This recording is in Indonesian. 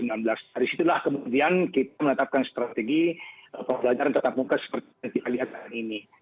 dari situlah kemudian kita menetapkan strategi pembelajaran tetap muka seperti yang kita lihat hari ini